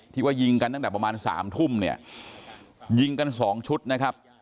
ว่ายิงกันตั้งแต่ประมาณสามทุ่มเนี่ยยิงกันสองชุดนะครับ